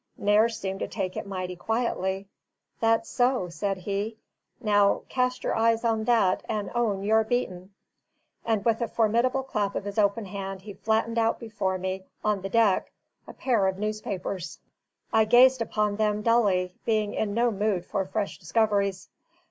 Nares seemed to take it mighty quietly. "That so?" said he. "Now, cast your eyes on that and own you're beaten!" And with a formidable clap of his open hand he flattened out before me, on the deck, a pair of newspapers. I gazed upon them dully, being in no mood for fresh discoveries.